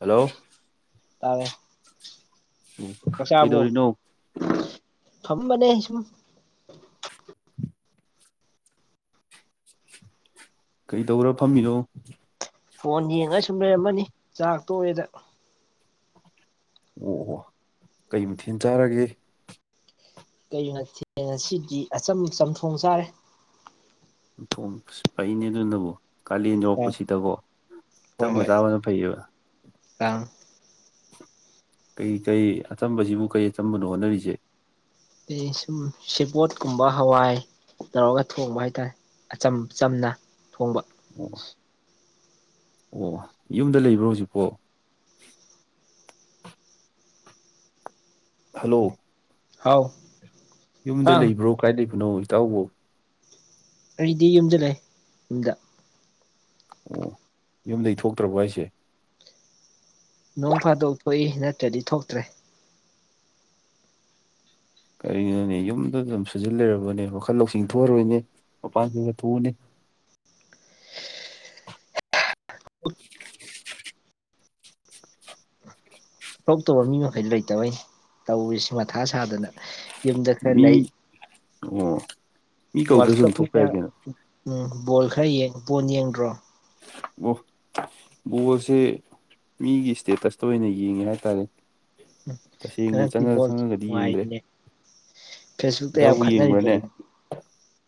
hello ꯇꯥꯔꯦ ꯎ ꯆꯥꯛꯆꯥꯥꯕꯨ ꯀꯩꯗꯧꯔꯤꯅꯣ ꯐꯝꯕꯅꯦ ꯁꯨꯝ ꯀꯩꯗꯧꯔꯒ ꯐꯝꯃꯤꯅꯣ ꯐꯣꯟ ꯌꯦꯡꯉꯒ ꯁꯨꯝ ꯂꯩꯔꯝꯃꯕꯅꯤ ꯆꯥꯛ ꯇꯣꯛꯑꯦꯗ ꯑꯣ ꯑꯣ ꯀꯩ ꯃꯊꯦꯟ ꯆꯥꯔꯒꯦ ꯀꯩ ꯉꯁꯤꯗꯤ ꯑꯆꯝ ꯆꯝꯊꯣꯡ ꯆꯥꯔꯦ ꯊꯣꯡꯁ ꯄꯩꯅꯦꯅꯪꯅꯕꯨ ꯀꯥꯂꯦꯟ ꯑ ꯌꯣꯔꯛꯄꯁꯤꯗꯀꯣ ꯑꯆꯝꯕ ꯆꯥꯕꯅ ꯐꯩꯌꯦꯕ ꯑꯥ ꯀꯩ ꯀꯩ ꯑꯆꯝꯕꯁꯤꯕꯨ ꯀꯩ ꯑꯆꯝꯕꯅꯣ ꯍꯣꯠꯅꯔꯤꯁꯦ ꯑꯩ ꯁꯨꯝ ꯁꯦꯕꯣꯠ ꯀꯨꯝꯕ ꯍꯋꯥꯏ ꯇꯧꯔꯒ ꯊꯣꯡꯕ ꯍꯥꯏꯇꯥꯔꯦ ꯑꯆꯝ ꯆꯝꯅ ꯊꯣꯡꯕ ꯑꯣ ꯑꯣ ꯌꯨꯝꯗ ꯂꯩꯕ꯭ꯔꯣ ꯍꯧꯖꯤꯛꯄꯣ ꯍꯂꯣ ꯍꯥꯎ ꯌꯨꯝꯗ ꯑꯪ ꯂꯩꯕ꯭ꯔꯣ ꯀꯥꯏ ꯂꯩꯕꯅꯣ ꯏꯇꯥꯎꯕꯨ ꯑꯩꯗꯤ ꯌꯨꯝꯗ ꯂꯩ ꯌꯨꯝꯗ ꯑꯣ ꯌꯨꯝꯗꯒꯤ ꯊꯣꯛꯇ꯭ꯔꯕ ꯍꯥꯏꯁꯦ ꯅꯣꯡ ꯐꯥꯗꯣꯛ ꯊꯣꯛꯏ ꯅꯠꯇ꯭ꯔꯗꯤ ꯊꯣꯛꯇ꯭ꯔꯦ ꯀꯔꯤꯒꯤꯅꯣꯅꯦ ꯌꯨꯝꯗ ꯑꯗꯨꯝ ꯁꯨꯖꯤꯜ ꯂꯩꯔꯕꯅꯦ ꯋꯥꯈꯜ ꯂꯧꯁꯤꯡ ꯊꯣꯛꯑꯔꯣꯏꯅꯦ ꯃꯄꯥꯟ ꯈꯔꯒ ꯊꯣꯛꯎꯅꯦ [inaudible] [unintelligible] ꯊꯣꯛꯇꯕ ꯃꯤ ꯃꯈꯩꯗꯤ ꯂꯩꯇꯕꯩꯅꯤ ꯇꯧꯔꯤꯁꯦ ꯃꯊꯥ ꯁꯥꯗꯅ ꯌꯨꯝꯗ ꯈꯔ ꯃꯤ ꯂꯩ ꯑꯣ ꯃꯤ ꯋꯥꯔꯜ ꯀꯧꯗ꯭ꯔꯁꯨ ꯑꯗꯨꯝ ꯊꯣꯛꯄ ꯀꯞꯅꯤꯅ ꯌꯥꯏ ꯀꯩꯅꯣ ꯎꯝ ꯕꯣꯜ ꯈꯔ ꯌꯦꯡ ꯕꯣꯜ ꯌꯦꯡꯗ꯭ꯔꯣ ꯑꯣ ꯕꯣꯜꯁꯦ ꯃꯤꯒꯤ ꯏꯁꯇꯦꯇꯁꯇ ꯑꯣꯏꯅ ꯌꯦꯡꯉꯦ ꯍꯥꯏꯇꯥꯔꯦ ꯑꯝ ꯇꯁꯦꯡꯅ ꯍꯟꯗꯛꯇꯤ ꯆꯪꯉ ꯕꯣꯜ ꯆꯪꯉꯒꯗꯤ ꯌꯦꯡꯗ꯭ꯔꯦ ꯅꯨꯡꯉꯥꯏꯕꯅꯦ ꯐꯦꯁꯕꯨꯛꯇ ꯌꯥꯝ ꯏꯇꯥꯎꯕꯨ ꯈꯠꯅꯔꯤꯗ꯭ꯔꯦ ꯌꯦꯡꯕ꯭ꯔꯅꯦ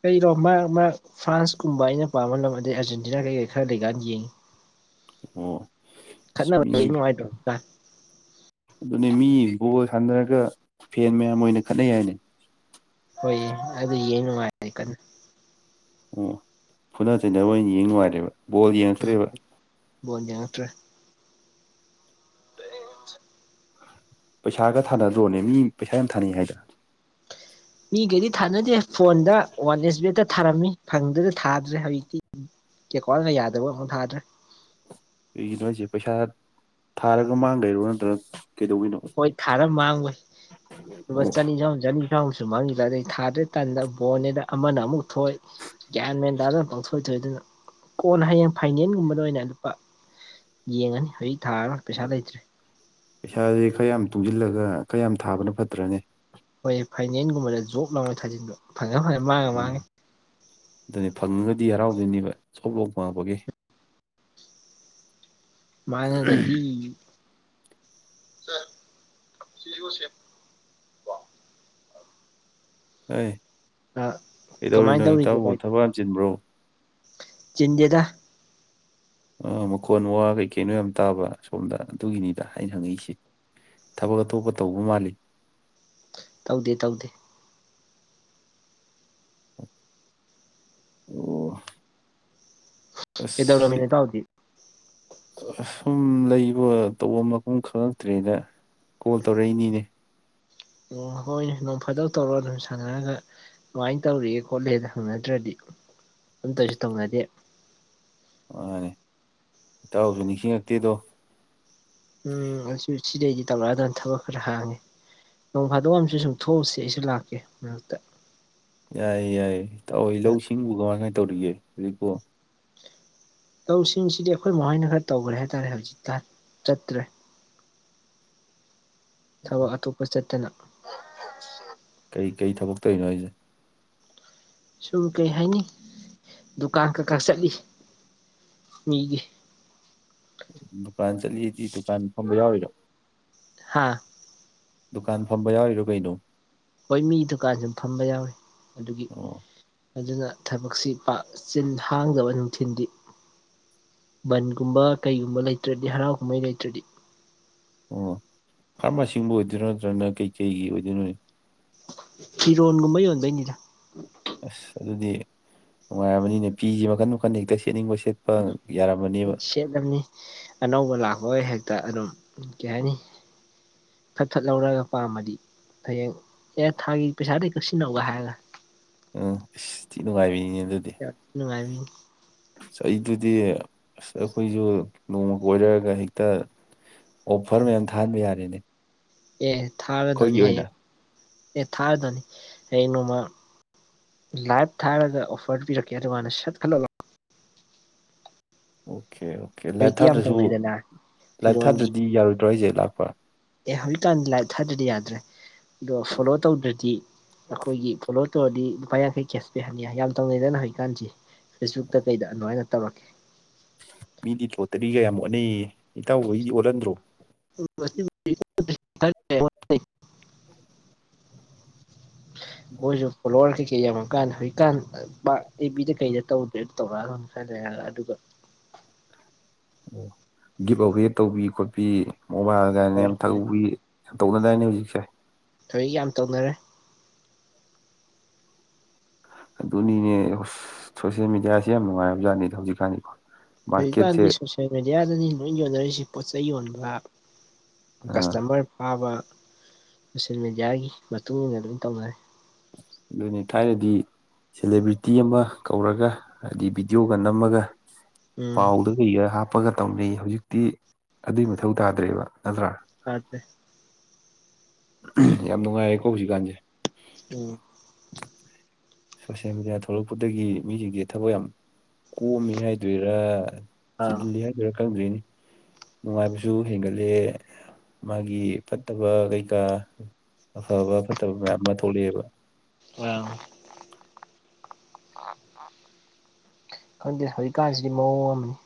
ꯀꯔꯤꯅꯣ ꯃꯥ ꯃꯥ ꯐ꯭ꯔꯥꯟꯁꯀꯨꯝꯕ ꯑꯩꯅ ꯄꯥꯝꯕ ꯂꯝ ꯑꯗꯩ ꯑꯥꯔꯖꯦꯟꯇꯤꯅꯥ ꯀꯩꯀꯩ ꯈꯔ ꯂꯩꯀꯥꯟꯗ ꯌꯦꯡꯏꯤ ꯑꯣ ꯈꯠꯅꯕ ꯃꯤ ꯌꯦ ꯅꯨꯡꯉꯥꯏꯇ꯭ꯔꯣ ꯀꯥꯏ ꯑꯗꯨꯅꯦ ꯃꯤ ꯕꯣꯜ ꯁꯥꯟꯅꯔꯒ ꯐꯦꯟ ꯃꯌꯥꯝ ꯑꯣꯏꯅ ꯈꯠꯅꯩ ꯍꯥꯏꯅꯦ ꯍꯣꯏ ꯑꯗꯨ ꯌꯦꯡ ꯅꯨꯡꯉꯥꯏꯔꯦ ꯀꯟꯅ ꯑꯣ ꯐꯨꯅ ꯆꯩꯅꯕ ꯑꯣꯏꯅ ꯌꯦꯡ ꯅꯨꯡꯉꯥꯏꯔꯦꯕ ꯕꯣꯜ ꯎꯝ ꯌꯦꯡꯉꯛꯇ꯭ꯔꯦꯕ ꯕꯣꯜ ꯌꯥꯔꯛꯛꯇ꯭ꯔꯦ ꯄꯦꯟꯖꯩ ꯄꯩꯁꯥꯒ ꯊꯥꯅꯗ꯭ꯔꯣꯅꯦ ꯃꯤ ꯄꯩꯁꯥ ꯌꯥꯝ ꯊꯥꯅꯩ ꯍꯥꯏꯗ ꯃꯤꯒꯩꯗꯤ ꯊꯥꯅꯗꯦ ꯐꯣꯟꯗ ꯋꯥꯟꯂꯦꯁ ꯕꯦꯒꯇ ꯊꯥꯔꯝꯃꯤ ꯐꯪꯗꯗ ꯊꯥꯗ꯭ꯔꯦ ꯍꯧꯖꯤꯛꯇꯤ ꯎꯝ ꯑꯦꯀꯥꯎꯟꯠ ꯌꯥꯗꯕ ꯎꯝ ꯊꯥꯗ꯭ꯔꯦ ꯀꯩꯒꯤ ꯍꯥꯏꯁꯦ ꯄꯩꯁꯥ ꯊꯥꯔꯒ ꯃꯥꯡꯗꯣꯏꯔꯣ ꯅꯠꯇ꯭ꯔꯒ ꯀꯩꯗꯧꯕꯤꯅꯣ ꯍꯣꯏ ꯊꯥꯔ ꯃꯥꯡꯕꯩ ꯑꯃ ꯑꯣ ꯆꯅꯤ ꯆꯍꯨꯝ ꯆꯅꯤ ꯆꯍꯨꯝ ꯁꯨꯝꯍꯥꯡꯈꯤꯗ ꯊꯥꯗ꯭ꯔꯦ ꯇꯥꯟꯗ ꯕꯣꯔꯜꯅꯦꯅ ꯑꯃꯅ ꯑꯃꯨꯛ ꯊꯣꯛꯣꯏ ꯒ꯭ꯌꯥꯟ ꯃꯦꯟ ꯇꯥꯗꯅ ꯄꯪꯊꯣꯏ ꯊꯣꯛꯣꯏ ꯑꯗꯨꯅ ꯀꯣꯟꯅ ꯍꯌꯦꯡ ꯐꯥꯏꯅꯜꯒꯨꯝꯕꯗ ꯑꯣꯏꯅ ꯂꯨꯄꯥ ꯌꯦꯡꯉꯅꯤ ꯍꯧꯖꯤꯛ ꯊꯥꯔꯔꯣꯏ ꯄꯩꯁꯥ ꯂꯩꯇ꯭ꯔꯦ ꯄꯩꯁꯥꯥꯁꯦ ꯈ꯭ꯔꯌꯥꯝ ꯇꯨꯡꯁꯤꯜꯂꯒ ꯈ꯭ꯔꯌꯥꯝ ꯊꯥꯕꯅ ꯐꯠꯇ꯭ꯔꯅꯦ ꯑꯩ ꯐꯥꯏꯅꯦꯟꯁꯒꯨꯝꯕꯗ ꯖꯣꯕ ꯂꯥꯎ ꯊꯥꯖꯤꯟꯕ ꯐꯪꯉ ꯐꯪꯉ ꯃꯥꯡꯉ ꯎꯝ ꯃꯥꯡꯉꯦ ꯑꯗꯨꯅꯤ ꯐꯪꯉꯒꯗꯤ ꯍꯔꯥꯎꯗꯣꯏꯅꯦꯕ ꯁꯣꯞ ꯂꯣꯛ ꯄꯥꯡꯉꯄꯒꯤ ꯃꯥꯡꯉꯥꯒꯗꯤ ꯁꯦ ꯁꯤꯁꯨ ꯁꯦꯠ ꯍ ꯀꯃꯥꯏꯅ ꯀꯩꯗꯧꯔꯤꯅꯣ ꯇꯧꯔꯤꯒꯦ ꯏꯇꯥꯎꯕꯨ ꯚꯥꯏ ꯊꯕꯛ ꯌꯥꯝ ꯆꯤꯟꯕ꯭ꯔꯣ ꯆꯤꯟꯗꯦꯗ ꯃꯈꯣꯟ ꯋꯥ ꯀꯩꯀꯩꯅꯣ ꯌꯥꯝ ꯇꯥꯕ ꯁꯣꯝꯗ ꯑꯗꯨꯒꯤꯅꯤꯗ ꯑꯩꯅ ꯍꯪꯉꯛꯏꯁꯦ ꯊꯕꯛ ꯑꯇꯣꯞꯄ ꯇꯧꯕ ꯃꯥꯜꯂꯤ ꯇꯧꯗꯦ ꯇꯧꯗꯦ ꯑꯣ ꯑꯁ ꯀꯗꯧꯔꯝꯃꯤꯅꯣ ꯏꯇꯥꯎꯗꯤ ꯁꯨꯝ ꯂꯩꯕ ꯇꯧꯕ ꯃꯐꯝ ꯈꯉꯛꯇ꯭ꯔꯦꯅ ꯀꯣꯜ ꯇꯧꯔꯛꯏꯅꯤꯅꯦ ꯎꯝ ꯍꯣꯏ ꯅꯣꯡꯐꯗꯣꯛ ꯇꯧꯔꯒ ꯁꯥꯟꯅꯔꯒ ꯀꯃꯥꯏ ꯇꯧꯔꯤꯒꯦ ꯈꯣꯠꯂꯤꯒꯦ ꯍꯪꯅꯗ꯭ꯔꯥꯗꯤ [inaudible] ꯑꯝꯇꯁꯨ ꯇꯧꯅꯗꯦ ꯃꯥꯅꯦ ꯏꯇꯥꯎꯁꯨ ꯅꯤꯡꯁꯤꯡꯉꯛꯇꯦꯗꯣ ꯎꯝ ꯑꯗꯨ ꯁꯤꯗꯩꯗꯤ ꯇꯧꯔꯛꯑꯗꯝꯅꯦ ꯊꯕꯛ ꯈꯔ ꯍꯥꯡꯉꯦ ꯅꯣꯡ ꯐꯥꯗꯣꯛ ꯑꯃꯁꯨ ꯁꯨꯝ ꯊꯣꯛꯎꯁꯦ ꯑꯩꯁꯨ ꯂꯥꯛꯀꯦ ꯃꯔꯛꯇ ꯌꯥꯏꯌꯦ ꯌꯥꯏꯌꯦ ꯏꯇꯥꯎ ꯍꯣꯏ ꯂꯧ ꯁꯤꯡ ꯎꯔꯤꯕꯣ ꯀꯃꯥꯏ ꯀꯥꯃꯥꯏ ꯇꯧꯔꯤꯒꯦ ꯍꯧꯖꯤꯛꯄꯨ ꯂꯧꯁꯤꯡꯁꯤꯗꯤ ꯑꯩꯈꯣꯏ ꯃꯣꯏꯅ ꯈꯔ ꯇꯧꯈ꯭ꯔꯦ ꯍꯥꯏ ꯇꯔꯦ ꯍꯧꯖꯤꯛꯇ ꯆꯠꯇ꯭ꯔꯦ [inaudible] ꯊꯕꯛ ꯑꯇꯣꯞꯄ ꯆꯠꯇꯅ ꯀꯩ ꯀꯩ ꯊꯕꯛ ꯇꯧꯔꯤꯅꯣ ꯍꯥꯏꯁꯦ ꯁꯨꯝ ꯀꯩ ꯍꯥꯏꯅꯤ ꯗꯨꯀꯥꯟ ꯀꯀꯥ ꯆꯠꯂꯤꯁꯦ ꯃꯤꯒꯤ ꯗꯨꯀꯥꯟ ꯆꯠꯂꯤꯗꯤ ꯗꯨꯀꯥꯟ ꯐꯝꯕ ꯌꯥꯎꯔꯤꯔꯣ ꯑꯥ ꯗꯨꯀꯥꯟ ꯐꯝꯕ ꯌꯥꯎꯔꯤꯔꯣ ꯀꯩꯅꯣ ꯍꯣꯏ ꯃꯤ ꯗꯨꯀꯥꯟꯁꯨ ꯐꯝꯕ ꯌꯥꯎꯋꯤ ꯑꯗꯨꯒꯤ ꯑꯣ ꯑꯗꯨꯅ ꯊꯕꯛꯁꯤ ꯄꯥꯛ ꯆꯤꯟ ꯍꯥꯡꯗꯕ ꯅꯨꯡꯊꯤꯟꯗꯤ ꯚꯟꯒꯨꯝꯕ ꯀꯩꯒꯨꯝꯕ ꯂꯩꯇ꯭ꯔꯗꯤ ꯍꯔꯥꯎ ꯀꯨꯝꯍꯩ ꯂꯩꯇ꯭ꯔꯗꯤ ꯑꯣ ꯐꯥꯔꯃꯥꯁꯤꯝ ꯑꯣꯏꯗꯣꯏꯔ ꯅꯠꯇ꯭ꯔꯒꯅ ꯀꯩꯀꯩꯒꯤ ꯑꯣꯏꯗꯣꯏꯅꯣ ꯐꯤꯔꯣꯟꯒꯨꯝꯕ ꯌꯣꯟꯕꯩꯅꯤꯗ ꯑꯁ ꯑꯗꯨꯗꯤ ꯅꯨꯡꯉꯥꯏꯔꯝꯃꯅꯤꯅꯦ ꯐꯤꯁꯦ ꯃꯈꯟ ꯃꯈꯟ ꯍꯦꯛꯇ ꯁꯦꯠꯅꯤꯡꯕ ꯁꯦꯠꯄ ꯌꯥꯔꯝꯃꯅꯦꯕ ꯁꯦꯠꯂꯝꯅꯤ ꯑꯅꯧꯕ ꯂꯥꯛꯄꯒ ꯍꯦꯛꯇ ꯑꯗꯨꯝ ꯀꯩ ꯍꯥꯏꯅꯤ ꯐꯠ ꯐꯠ ꯂꯧꯔꯒ ꯄꯥꯝꯃꯗꯤ ꯍꯌꯦꯡ ꯑꯦ ꯊꯥꯒꯤ ꯄꯩꯁꯥꯗꯒꯤ ꯀꯛꯁꯤꯟꯅꯧꯒ ꯍꯥꯏꯔꯒ ꯎꯝ ꯏꯁ ꯊꯤ ꯅꯨꯡꯉꯥꯏꯕꯤꯅꯤꯅꯦ ꯑꯗꯨꯗꯤ ꯌꯥꯝ ꯅꯨꯡꯉꯥꯏꯕꯤꯅꯤ ꯑꯁ ꯑꯩꯗꯨꯗꯤ ꯑꯁ ꯑꯩꯈꯣꯏꯁꯨ ꯅꯣꯡꯃ ꯀꯣꯏꯔꯛꯑꯒ ꯍꯦꯛꯇ ꯑꯣꯐꯔ ꯃꯌꯥꯝ ꯊꯥꯍꯟꯕ ꯌꯥꯔꯦꯅꯦ ꯑꯦ ꯑꯩꯈꯣꯏꯒꯤ ꯊꯥꯔꯗꯣꯅꯤ ꯑꯣꯏꯅ ꯍꯌꯦꯡ ꯑꯦ ꯊꯥꯔꯗꯣꯏꯅꯤ ꯍꯌꯦꯡ ꯅꯣꯡꯃ ꯂꯥꯏꯚ ꯊꯥꯔꯒ ꯑꯣꯐꯔ ꯄꯤꯔꯛꯀꯦ ꯑꯗꯨꯀꯥꯟꯗ ꯁꯠꯀꯅꯣ ꯑꯣꯀꯦ ꯑꯣꯀꯦ ꯂꯥꯏꯐ ꯍꯧꯖꯤꯛꯇꯤ ꯌꯥꯝ ꯊꯥꯗ꯭ꯔꯁꯨ ꯇꯧꯅꯩꯗꯅ ꯂꯥꯏꯐ ꯐꯤꯔꯣꯟꯒꯤ ꯊꯥꯗ꯭ꯔꯗꯤ ꯌꯥꯔꯣꯏꯗ꯭ꯔꯣ ꯍꯥꯏꯖꯦ ꯂꯥꯛꯄ ꯑꯦ ꯍꯧꯖꯤꯛꯀꯥꯟꯗꯤ ꯂꯥꯏꯐ ꯊꯥꯗ꯭ꯔꯗꯤ ꯌꯥꯗ꯭ꯔꯦ ꯑꯗꯣ ꯐꯣꯂꯣ ꯇꯧꯗ꯭ꯔꯗꯤ ꯑꯩꯈꯣꯏꯒꯤ ꯐꯣꯂꯣ ꯇꯧꯔꯗꯤ ꯂꯨꯄꯥ ꯌꯥꯡꯈꯩ ꯀꯦꯁꯄꯦꯛ ꯍꯟꯅꯤ ꯌꯥꯝ ꯇꯧꯅꯩꯗꯅ ꯍꯧꯖꯤꯛꯀꯥꯟꯖꯤ ꯐꯦꯁꯕꯨꯛꯇ ꯀꯩꯗ ꯑꯗꯨꯃꯥꯏꯅ ꯇꯧꯔꯛꯀꯦ ꯃꯤꯗꯤ ꯂꯣꯇꯔꯤꯒ ꯌꯥꯝ ꯑꯣꯠꯅꯩꯌꯦ ꯏꯇꯥꯎꯋꯣꯏꯗꯤ ꯑꯣꯠꯍꯟꯗ꯭ꯔꯣ [unintelligible] ꯃꯣꯏꯁꯨ ꯐꯣꯋꯔꯒꯤ ꯀ ꯌꯥꯝꯃꯀꯥꯟꯗꯦ ꯍꯧꯖꯤꯛꯀꯥꯟ ꯄ ꯑꯦꯐꯕꯤꯗ ꯀꯩꯗ ꯇꯧꯗ꯭ꯔꯦ ꯑꯗꯨ ꯇꯧꯔꯛꯑꯗ ꯈꯅ ꯑꯗꯨꯒ [inaudible] ꯑꯣ ꯒꯤꯐ ꯑꯋꯦ ꯇꯧꯕꯤ ꯈꯣꯠꯄꯤ ꯃꯣꯕꯥꯏꯜ ꯀꯥꯏꯅ ꯌꯥꯝ ꯇꯧꯕꯤ ꯌꯥꯝ ꯇꯧꯅꯗꯥꯏꯅꯦ ꯍꯧꯖꯤꯛꯁꯦ ꯊꯣꯏ ꯌꯥꯝ ꯇꯧꯅꯔꯦ ꯑꯗꯨꯅꯤꯅꯦ ꯁꯣꯁꯦꯜ ꯃꯦꯗꯤꯌꯥꯁꯤ ꯌꯥꯝ ꯅꯨꯡꯉꯥꯏꯔꯕꯖꯠꯅꯤꯗ ꯍꯧꯖꯤꯛꯀꯥꯟꯁꯦꯀꯣ ꯍꯧꯖꯤꯛꯀꯥꯟꯗꯤ ꯁꯣꯁꯦꯜ ꯃꯦꯗꯤꯌꯥꯗꯅꯤ ꯂꯣꯏ ꯌꯣꯟꯅꯔꯤꯁꯤ ꯄꯣꯠ ꯆꯩꯩ ꯌꯣꯟꯕ ꯑ ꯀꯁꯇꯃꯔ ꯐꯥꯕ ꯁꯣꯁꯦꯜ ꯃꯦꯗꯤꯌꯥꯒꯤ ꯃꯇꯨꯡ ꯏꯟꯅ ꯑꯗꯨꯝ ꯇꯧꯅꯔꯦ ꯑꯗꯨꯅꯦ ꯊꯥꯏꯅꯗꯤ ꯁꯦꯂꯦꯕ꯭ꯔꯤꯇꯤ ꯑꯃ ꯀꯧꯔꯒ ꯍꯥꯏꯗꯤ ꯚꯤꯗꯤꯑꯣꯒ ꯅꯝꯃꯒ ꯎꯝ ꯄꯥꯎꯗ ꯀꯩꯒ ꯍꯥꯞꯄꯒ ꯇꯝꯅꯩ ꯍꯧꯖꯤꯛꯇꯤ ꯑꯗꯨꯏ ꯃꯊꯧ ꯇꯥꯗ꯭ꯔꯦꯕ ꯅꯠꯇ꯭ꯔꯥ ꯇꯥꯗꯦ ꯌꯥꯝ ꯅꯨꯡꯉꯥꯏꯔꯦꯀꯣ ꯍꯧꯖꯤꯛꯀꯥꯟꯁꯦ ꯎꯝ ꯁꯣꯁꯦꯜ ꯃꯦꯗꯤꯌꯥ ꯊꯣꯛꯂꯛꯄꯗꯒꯤ ꯃꯤꯁꯤꯡꯁꯦ ꯊꯕꯛ ꯌꯥꯝ ꯀꯣꯑꯝꯃꯦ ꯍꯥꯏꯗꯣꯏꯔꯥ ꯑꯥ ꯆꯤꯜꯂꯤ ꯍꯥꯏꯗꯣꯏꯔ ꯈꯥꯪꯗ꯭ꯔꯦꯅꯦ ꯅꯨꯡꯉꯥꯏꯕꯁꯨ ꯍꯦꯟꯒꯠꯂꯦ ꯃꯥꯒꯤ ꯐꯠꯇꯕ ꯀꯩꯀꯥ ꯑꯐꯕ ꯐꯠꯇꯕ ꯃꯌꯥꯝ ꯑꯃ ꯊꯣꯛꯂꯛꯑꯦꯕ ꯑꯥ ꯈꯪꯗꯦ ꯍꯧꯖꯤꯛꯀꯥꯟꯁꯤꯗꯤ ꯃꯑꯣꯡ ꯑꯃꯅꯤ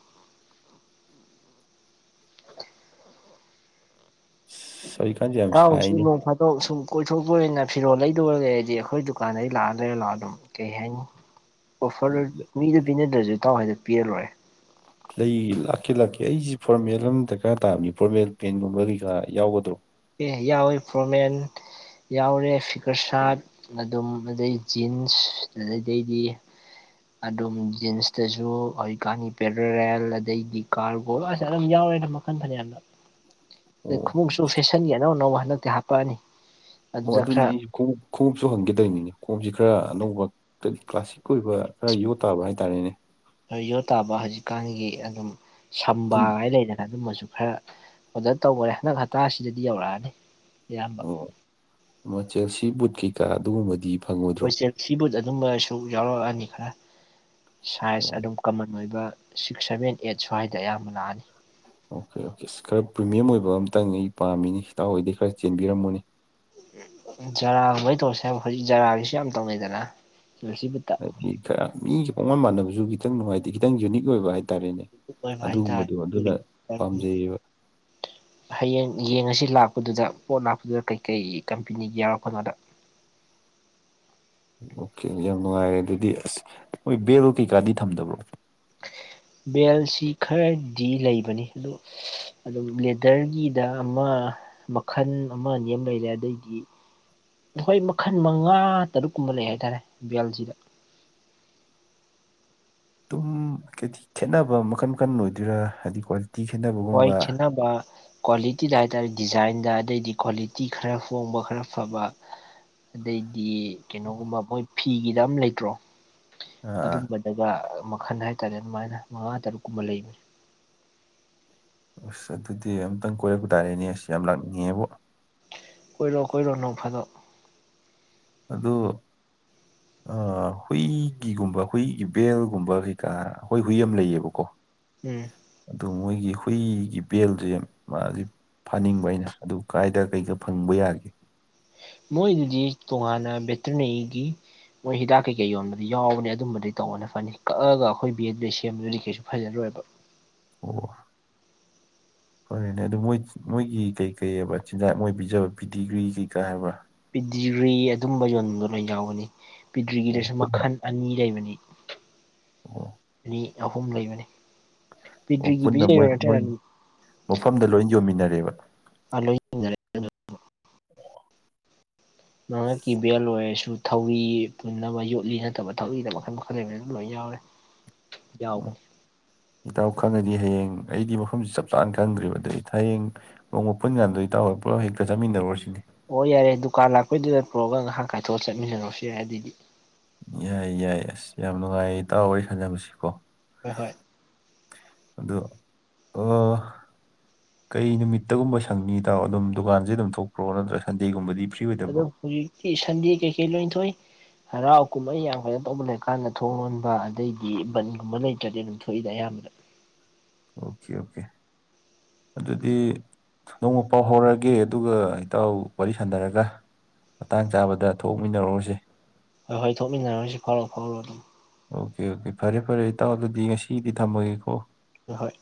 ꯁꯤ ꯑꯩ ꯇꯥꯎ ꯁꯨ ꯅꯣꯡ ꯐꯥꯗꯣꯛ ꯁꯨꯝ ꯀꯣꯏꯊꯣꯛꯄ ꯑꯣꯏꯅ ꯐꯤꯔꯣꯜ ꯂꯩꯗꯩ ꯂꯩꯔꯗꯤ ꯑꯩꯈꯣꯏ ꯗꯨꯀꯥꯟꯗꯩ ꯂꯥꯛꯑ ꯂꯩꯔ ꯂꯥꯛꯑꯣ ꯑꯗꯨꯝ ꯀꯩ ꯍꯥꯏꯅꯤ ꯑꯣꯐꯔ ꯂꯣꯏ ꯃꯤꯗ ꯄꯤꯅꯗ꯭ꯔꯁꯨ ꯏꯇꯥꯎ ꯍꯣꯏꯗ ꯄꯤꯔ ꯂꯣꯏꯔꯦ ꯂꯩ ꯂꯥꯛꯀꯦ ꯂꯥꯛꯀꯦ ꯑꯩꯁꯤ ꯐꯣꯔꯃꯦꯜ ꯑꯃ ꯗꯔꯀꯥꯔ ꯇꯥꯕꯅꯤ ꯐꯣꯔꯃꯦꯜ ꯄꯦꯟꯒꯨꯝꯕ ꯀꯩꯀꯥ ꯌꯥꯎꯒꯗ꯭ꯔꯣ ꯑꯦ ꯌꯥꯎꯋꯦ ꯐ꯭ꯔꯣꯃꯦꯟ ꯌꯥꯎꯔꯦ ꯐꯤꯒꯔ ꯁꯥꯔꯠ ꯑꯗꯨꯝ ꯑꯗꯩ ꯖꯤꯟꯁ ꯑꯗꯗꯩꯗꯤ ꯑꯗꯨꯝ ꯖꯤꯟꯁꯇꯁꯨ ꯀꯥꯟꯅꯤ ꯄꯦꯔꯔꯦꯜ ꯑꯗꯩꯗꯤ ꯀꯥꯔꯒꯣ ꯑꯁ ꯑꯗꯨꯝ ꯌꯥꯎ ꯍꯣꯏꯗ ꯃꯈꯟ ꯐꯅ꯭ꯌꯥꯝ ꯑꯣ ꯂꯩ ꯈꯨꯃꯨꯛꯁꯨ ꯑꯅꯧꯅꯧꯕ ꯍꯟꯗꯛꯇꯤ ꯍꯥꯞꯄꯛꯑꯅꯤ ꯑꯣ ꯑꯗꯨꯗ ꯑꯗꯨꯅꯤ ꯈꯔ ꯑꯩꯁꯨ ꯈꯣꯡꯎꯞ ꯈꯣꯡꯎꯞꯁꯨ ꯍꯪꯒꯦꯗꯣꯏꯅꯤꯅꯦ ꯀꯣꯝꯁꯤ ꯈꯔ ꯑꯅꯧꯕ ꯀ꯭ꯂ ꯀ꯭ꯂꯥꯁꯤꯛ ꯑꯣꯏꯕ ꯈꯔ ꯌꯣꯠ ꯇꯥꯕ ꯍꯥꯏꯇꯥꯔꯦꯅꯦ ꯈꯔ ꯌꯣ ꯇꯥꯕ ꯍꯧꯖꯤꯛꯀꯥꯟꯒꯤ ꯑꯗꯨꯝ ꯑꯗꯨꯝ ꯁꯝꯕꯥꯒꯥꯏ ꯂꯩꯗꯅ ꯑꯗꯨꯝꯕꯁꯨ ꯈꯔ ꯑꯣꯗꯔ ꯇꯧꯕꯔꯦ ꯍꯟꯗꯛ ꯍꯞꯇꯥꯁꯤꯗꯗꯤ ꯌꯧꯔꯛꯑꯅꯤ ꯑꯌꯥꯝꯕ ꯃꯆꯨꯁꯤꯕꯨꯗꯤ ꯈꯔ ꯑꯗꯨꯒꯨꯝꯕꯗꯤ ꯐꯪꯉꯣꯏꯗ꯭ꯔꯣ ꯍꯣꯏ ꯆꯦꯜꯁꯤ ꯕꯨꯠ ꯑꯗꯨꯝꯕꯁꯨ ꯌꯥꯎꯔꯛꯑꯅꯤ ꯈꯔ ꯁꯥꯏꯖ ꯑꯣ ꯑꯗꯨꯝ ꯀꯃꯟ ꯑꯣꯏꯕ ꯁꯤꯛꯁ ꯁꯚꯦꯟ ꯑꯦꯠ ꯁ꯭ꯋꯥꯏꯗ ꯑꯌꯥꯝꯕ ꯂꯥꯛꯑꯅꯤ ꯑꯣꯀꯦ ꯑꯣꯀꯦ ꯑꯁ ꯈꯔ ꯄ꯭ꯔꯤꯃꯤꯌꯝ ꯑꯣꯏꯕ ꯑꯃꯇꯪ ꯑꯩ ꯄꯥꯝꯃꯤꯅꯤ ꯍꯇꯥꯎ ꯍꯣꯏꯗꯤ ꯈꯔ ꯆꯦꯟꯕꯤꯔꯝꯃꯨꯅꯦ ꯖꯥꯔꯥꯒꯨꯝꯕꯩ ꯇꯧꯔꯁꯦ ꯍꯥꯏꯕ ꯍꯧꯖꯤꯛ ꯖꯥꯔꯥꯒꯤꯁꯨ ꯌꯥꯝ ꯇꯧꯅꯩꯗꯅ ꯁꯤꯕꯨꯠꯇ ꯍꯥꯏꯗꯤ ꯈꯔ ꯃꯤꯒ ꯄꯪꯉꯥꯟ ꯃꯥꯟꯅꯕꯁꯨ ꯈꯤꯇꯪ ꯅꯨꯡꯉꯥꯏꯇꯦ ꯈꯤꯇꯪ ꯌꯨꯅꯤꯛ ꯑꯣꯏꯕ ꯍꯥꯏꯗꯤ ꯇꯔꯦꯅꯦ ꯑꯣꯏꯕ ꯍꯥꯏꯇꯥꯔꯦ ꯑꯗꯨꯒꯨꯝꯕꯗꯣ ꯑꯗꯨꯅ ꯄꯥꯝꯖꯩꯕ ꯍꯌꯦꯡ ꯌꯦꯡꯉꯁꯤ ꯂꯥꯛ ꯑꯗꯨꯗꯨꯗ ꯄꯣꯠ ꯂꯥꯛꯄꯗꯨꯗ ꯀꯩꯀꯩ ꯀꯝꯄꯦꯅꯤꯒꯤ ꯌꯥꯎꯔꯛꯄꯅꯣꯗ ꯑꯣꯀꯦ ꯌꯥꯝ ꯅꯨꯡꯉꯥꯏꯔꯦ ꯑꯗꯨꯗꯤ ꯑꯁ ꯃꯣꯏ ꯕꯦꯜꯗꯣ ꯀꯩꯀꯥꯗꯤ ꯊꯝꯗꯕ꯭ꯔꯣ ꯕꯦꯜꯁꯤꯈꯔ ꯗꯤ ꯂꯩꯕꯅꯤ ꯑꯗꯨ ꯑꯗꯨꯝ ꯂꯦꯗꯔꯒꯤꯗ ꯑꯃ ꯃꯈꯜ ꯑꯃꯅꯤ ꯂꯩꯔꯦ ꯑꯗꯩꯗꯤ ꯑꯩꯈꯣꯏ ꯃꯈꯜ ꯃꯉꯥ ꯇꯔꯨꯛꯀꯨꯝꯕ ꯂꯩ ꯍꯥꯏꯇꯥꯔꯦ ꯕꯦꯜꯖꯤꯗ [unintelligible] ꯑꯗꯨꯝ ꯈꯦ ꯈꯦꯟꯅꯕ ꯃꯈꯟ ꯃꯈꯟ ꯑꯣꯏꯗꯣꯏꯔꯥ ꯍꯥꯏꯗꯤ ꯍꯣꯏ ꯈꯦꯠꯅꯕꯒꯨꯝꯕ ꯈꯦꯅꯕ ꯀ꯭ꯋꯥꯂꯤꯇꯤꯗ ꯍꯥꯏꯇꯥꯥꯔꯦ ꯗꯤꯖꯥꯏꯟꯗ ꯑꯗꯩꯗꯤ ꯀ꯭ꯋꯥꯂꯤꯇꯤ ꯈꯔ ꯍꯣꯡꯕ ꯈꯔ ꯐꯕ ꯑꯗꯩ ꯗꯤ ꯀꯩꯅꯣꯒꯨꯝꯕ ꯃꯣꯏ ꯐꯤꯒꯤꯗ ꯑꯃ ꯂꯩꯇ꯭ꯔꯣ ꯑꯥ ꯑꯥ ꯑꯗꯨꯝꯕꯗꯒ ꯈꯟ ꯍꯥꯏꯇꯥꯔꯦ ꯑꯗꯨꯃꯥꯏꯅ ꯃꯉꯥ ꯇꯔꯨꯛꯀꯨꯝꯕ ꯂꯩꯕꯅꯤ ꯑꯁ ꯑꯗꯨꯗꯤ ꯑꯝꯇꯪ ꯀꯣꯏꯔꯛꯄ ꯇꯥꯔꯦꯅꯦ ꯑꯁ ꯌꯥꯝ ꯂꯥꯛꯅꯤꯡꯉꯦꯕꯨ ꯀꯣꯏꯔꯣ ꯀꯣꯏꯔꯣ ꯅꯣꯡ ꯐꯥꯗꯣꯛ ꯑꯗꯣ ꯑ ꯍꯨꯏꯒꯤꯒꯨꯝꯕ ꯍꯨꯏꯒꯤ ꯕꯦꯜꯒꯨꯝꯕ ꯀꯩꯀꯥ ꯑꯈꯣꯏ ꯍꯨꯏ ꯑꯃ ꯂꯩꯌꯦꯕꯀꯣ ꯎꯝ ꯑꯗꯨ ꯃꯣꯏꯒꯤ ꯍꯨꯏꯒꯤ ꯕꯦꯜꯖꯦ ꯃꯥꯖꯦ ꯐꯥꯅꯤꯡꯕ ꯑꯩꯅ ꯑꯗꯨ ꯀꯥꯏꯗ ꯀꯩꯗ ꯐꯪꯕ ꯌꯥꯒꯦ ꯃꯣꯏꯗꯨꯗꯤ ꯇꯣꯉꯥꯟꯅ ꯕꯦꯇꯅꯔꯤꯒꯤ ꯃꯣꯏ ꯍꯤꯗꯥꯛ ꯀꯩꯀꯩ ꯌꯣꯟꯕ ꯑꯗꯨ ꯌꯥꯎꯕꯅꯤ ꯑꯗꯨꯝꯕꯗꯤ ꯇꯧꯕꯅ ꯐꯅꯤ ꯀꯛꯑꯒ ꯑꯩꯈꯣꯏ ꯕꯦ ꯑꯗꯨꯗꯩ ꯁꯦꯝꯕꯗꯨꯗꯤ ꯀꯩꯁꯨ ꯐꯖꯔꯣꯏꯕ ꯑꯣ ꯍꯣꯏꯅꯦ ꯑꯗꯨ ꯃꯣꯏ ꯃꯣꯏꯒꯤ ꯀꯩ ꯀꯩ ꯑꯕ ꯤꯟꯖꯥꯛ ꯃꯣꯏ ꯄꯤꯖꯕ ꯄꯤꯗꯤꯒ꯭ꯔꯤ ꯀꯩꯀꯥ ꯍꯥꯏꯕ꯭ꯔꯥ ꯄꯤꯗꯤꯒ꯭ꯔꯤ ꯑꯗꯨꯝꯕ ꯌꯣꯟꯕꯗꯣ ꯂꯣꯏ ꯌꯥꯎꯒꯅꯤ ꯑꯣ ꯄꯤꯗ꯭ꯔꯤꯒꯤꯗꯁꯨ ꯄꯨꯟꯅ ꯃꯈꯜ ꯑꯅꯤ ꯂꯩꯕꯅꯤ ꯑꯣ ꯃꯤ ꯑꯍꯨꯝ ꯂꯩꯕꯅꯤ ꯑꯣ ꯄꯤꯗ꯭ꯔꯤꯒꯤ ꯄꯨꯟꯅ ꯃꯣꯏ ꯄꯤꯖꯩꯔꯣ ꯃꯣꯏ ꯅꯠꯇ꯭ꯔꯒ ꯃꯐꯝꯗ ꯂꯣꯏ ꯌꯣꯟꯃꯤꯟꯅꯔꯦꯕ ꯑꯂꯣꯏ [unintelligible] ꯃꯉꯛꯀꯤ ꯕꯦꯜ ꯑꯣꯏꯔꯁꯨ ꯗꯨ ꯊꯧꯔꯤ ꯄꯨꯟꯅꯕ ꯌꯣꯠꯂꯤ ꯅꯠꯇꯕ ꯊꯧꯔꯤꯗ ꯃꯈꯜ ꯃꯈꯜ ꯂꯩꯕꯅꯤ ꯑꯗꯨꯝ ꯂꯣꯏ ꯌꯥꯎꯔꯦ ꯌꯥꯎꯕ ꯇꯥꯎ ꯈꯪꯉꯗꯤ ꯍꯌꯦꯡ ꯑꯩꯗꯤ ꯃꯐꯝ ꯆꯞ ꯆꯥꯅ ꯈꯪꯗ꯭ꯔꯤꯕ ꯑꯗꯩ ꯍꯌꯦꯡ ꯅꯣꯡꯃ ꯄꯨꯟ ꯀꯥꯟꯗ ꯏꯇꯥꯎꯅ ꯄꯨꯂꯞ ꯍꯦꯛꯇ ꯆꯠꯃꯤꯟꯅꯔꯨꯔꯁꯤꯅꯦ ꯑꯣ ꯌꯥꯔꯦ ꯗꯨꯀꯥꯟ ꯂꯥꯛꯄꯩꯗꯨꯗ ꯄꯨꯔꯛꯑꯒ ꯉꯥꯏꯍꯥꯛ ꯀꯥꯏꯊꯣꯛꯑꯒ ꯆꯠꯃꯤꯟꯅꯔꯁꯨ ꯌꯥꯏ ꯑꯗꯨꯏꯗꯤ ꯌꯥꯏ ꯌꯥꯏ ꯑꯁ ꯌꯥꯝ ꯅꯨꯡꯉꯥꯏꯌꯦ ꯏꯇꯥꯎ ꯋꯥꯔꯤ ꯁꯥꯟꯖꯅꯕꯁꯤꯀꯣ ꯍꯣꯏ ꯍꯣꯏ ꯑꯗꯣ ꯑ ꯀꯩ ꯅꯨꯃꯤꯠꯇꯒꯨꯝꯕ ꯁꯪꯅꯤ ꯏꯇꯥꯎ ꯑꯗꯨꯝ ꯗꯨꯀꯥꯟꯖꯦ ꯑꯗꯨꯝ ꯊꯣꯛꯄ꯭ꯔꯣ ꯅꯠꯇ꯭ꯔꯒ ꯁꯟꯗꯦꯒꯨꯝꯕꯗꯤ ꯐ꯭ꯔꯤ ꯑꯣꯏꯗꯕ꯭ꯔꯣ ꯑꯗꯨꯝ ꯍꯧꯖꯤꯛꯇꯤ ꯁꯟꯗꯦ ꯀꯩꯀꯩ ꯂꯣꯏ ꯊꯣꯛꯏ ꯍꯔꯥꯎ ꯀꯨꯝꯍꯩ ꯌꯥꯝ ꯀꯟ ꯇꯧꯕ ꯂꯩꯔꯀꯥꯟꯗ ꯊꯣꯡ ꯂꯣꯟꯕ ꯑꯗꯩꯗꯤ ꯕꯟꯒꯨꯝꯕ ꯂꯩꯇ꯭ꯔꯗꯤ ꯑꯗꯨꯝ ꯊꯣꯛꯏꯗ ꯑꯌꯥꯝꯕꯗ ꯑꯣꯀꯦ ꯑꯣꯀꯦ ꯑꯗꯨꯗꯤ ꯅꯣꯡꯃ ꯄꯥꯎ ꯐꯥꯎꯔꯛꯑꯒꯦ ꯑꯗꯨꯒ ꯏꯇꯥꯎ ꯋꯥꯔꯤ ꯁꯥꯟꯅꯔꯒ ꯃꯇꯥꯡ ꯆꯥꯕꯗ ꯊꯣꯛꯃꯤꯟꯅꯔꯨꯔꯁꯤ ꯑꯍꯣꯏ ꯊꯣꯛꯃꯤꯟꯅꯔꯨꯏꯁꯤ ꯐꯥꯎꯔꯣ ꯐꯥꯎꯔꯣ ꯑꯗꯨꯝ ꯑꯣꯀꯦ ꯑꯣꯀꯦ ꯐꯔꯦ ꯐꯔꯦ ꯏꯇꯥꯎ ꯑꯗꯨꯗꯤ ꯉꯁꯤꯒꯤꯗꯤ ꯊꯝꯃꯒꯦꯀꯣ ꯑꯍꯣꯏ